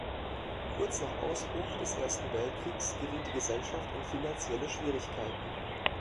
Kurz nach Ausbruch des Ersten Weltkriegs geriet die Gesellschaft in finanzielle Schwierigkeiten.